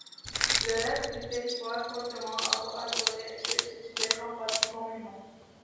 Le reste du territoire, fortement arboré, était utilisé comme pâtis communaux.